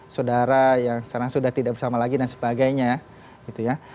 saudara yang sekarang sudah tidak bersama lagi dan sebagainya gitu ya